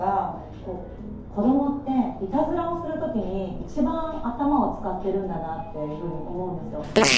訳して思ったのが子どもっていたずらをするときにいちばん頭を使っているんだなって思うんですよ。